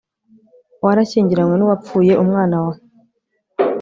warashyingiranywe n uwapfuye umwana we